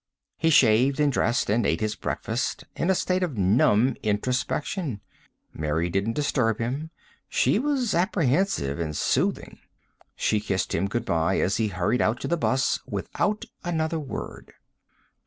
He shaved and dressed and ate his breakfast in a state of numb introspection. Mary didn't disturb him; she was apprehensive and soothing. She kissed him good by as he hurried out to the bus without another word.